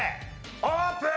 オープン！